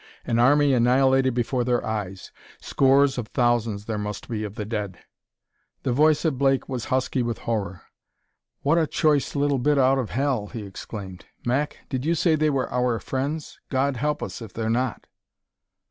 An army annihilated before their eyes! Scores of thousands, there must be, of the dead! The voice of Blake was husky with horror. "What a choice little bit out of hell!" he exclaimed. "Mac, did you say they were our friends? God help us if they're not!"